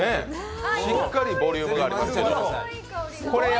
しっかりボリュームあります。